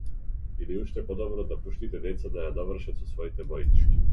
Или уште подобро, да пуштите деца да ја довршат со своите боички.